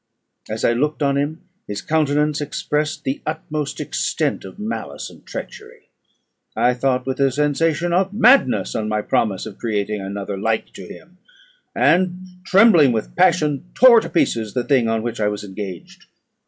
As I looked on him, his countenance expressed the utmost extent of malice and treachery. I thought with a sensation of madness on my promise of creating another like to him, and trembling with passion, tore to pieces the thing on which I was engaged.